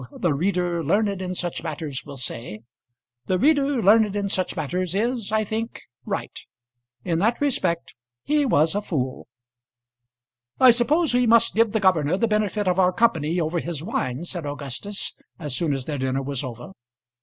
the reader learned in such matters will say. The reader learned in such matters is, I think, right. In that respect he was a fool. "I suppose we must give the governor the benefit of our company over his wine," said Augustus, as soon as their dinner was over.